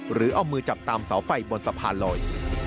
หรือเอามือจับตามเสาไฟบนสะพานลอย